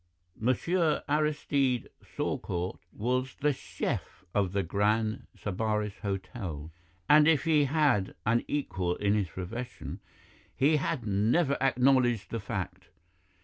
Monsieur Aristide Saucourt was the CHEF of the Grand Sybaris Hotel, and if he had an equal in his profession he had never acknowledged the fact.